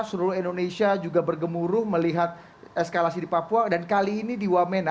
seluruh indonesia juga bergemuruh melihat eskalasi di papua dan kali ini di wamena